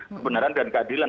kebenaran dan keadilan